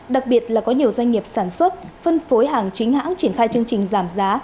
đặc biệt là có nhiều doanh nghiệp sản xuất phân phối hàng chính hãng triển khai chương trình giảm giá